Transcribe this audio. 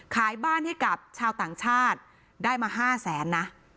ขายบ้านให้กับชาวต่างชาติได้มา๕แสนนะ